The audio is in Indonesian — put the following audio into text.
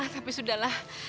tapi sudah lah